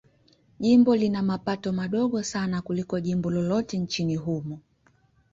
Jimbo lina mapato madogo sana kuliko jimbo lolote nchini humo.